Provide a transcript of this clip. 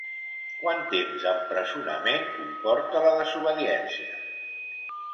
Quant temps d'empresonament comporta la desobediència?